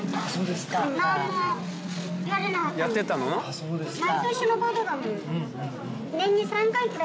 そうですか。